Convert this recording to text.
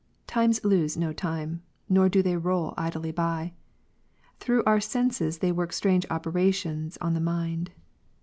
Times lose no time ; nor do they roll idly by; through our senses they work strange operations on the mind.